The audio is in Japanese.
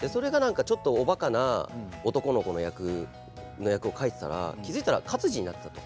ちょっとおばかな男の子の役を書いていたら気付いたら勝地になっていたと。